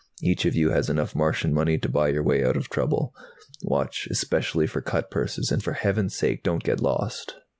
Each of you has enough Martian money to buy your way out of trouble. Watch especially for cut purses, and for heaven's sake, don't get lost."